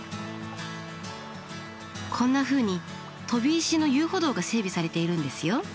こんなふうに飛び石の遊歩道が整備されているんですよ。